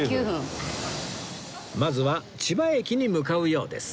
まずは千葉駅に向かうようです